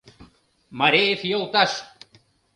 Мареев йолташ!»